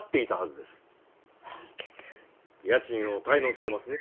家賃を滞納してますね？